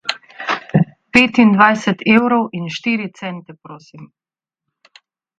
Petindvajset evrov in štiri cente prosim.